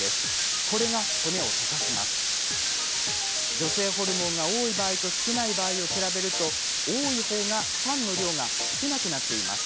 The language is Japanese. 女性ホルモンが多い場合と少ない場合を比べると多い方が酸の量が少なくなっています。